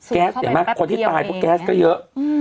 แก๊สเห็นไหมคนที่ตายเพราะแก๊สก็เยอะ